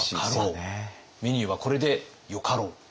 メニューはこれでよかろう！